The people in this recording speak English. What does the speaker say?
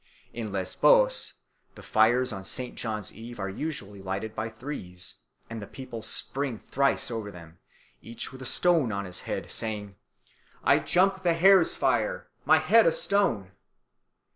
In Lesbos the fires on St. John's Eve are usually lighted by threes, and the people spring thrice over them, each with a stone on his head, saying, "I jump the hare's fire, my head a stone!"